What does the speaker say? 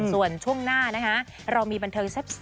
ส่วนช่วงหน้านะคะเรามีบันเทิงแซ่บ